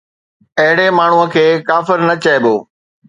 اهڙي ماڻهوءَ کي ڪافر نه چئبو